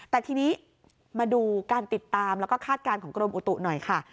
แต่ทีนี้มาดูการติดตามแล้วก็คาดการณ์ของกรมอุตุหน่อยค่ะ